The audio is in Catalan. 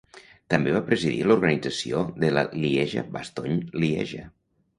També va presidir l'organització de la Lieja-Bastogne-Lieja.